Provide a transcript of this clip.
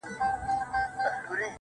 او مالي پوهه خپله کړه